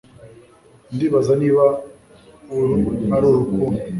ndibaza niba uru ari urukundo